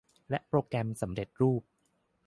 และโปรแกรมสำเร็จรูป